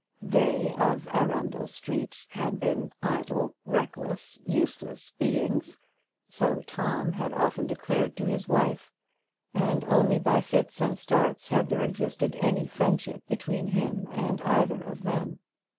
They, of Arundel Street, had been idle, reckless, useless beings so Tom had often declared to his wife and only by fits and starts had there existed any friendship between him and either of them.